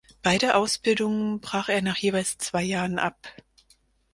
Beide Ausbildungen brach er nach jeweils zwei Jahren ab.